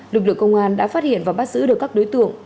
lực lượng công an đã phát hiện và bắt giữ được các đối tượng